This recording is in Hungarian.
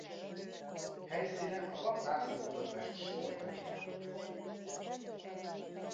Helyszíne a Papp László Budapest Sportaréna.